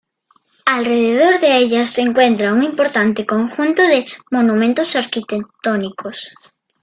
Alrededor de ella se encuentra un importante conjunto de monumentos arquitectónicos.